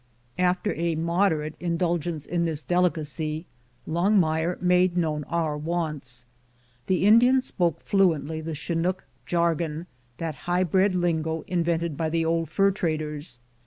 After a moderate indul gence in this delicacy, Longmire made known our 107 MOUNT wants. The Indian spoke fluently the Chinook jargon, that high bred lingo invented by the old fur traders.